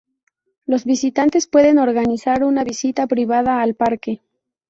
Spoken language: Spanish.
Los visitantes pueden organizar una visita privada al parque.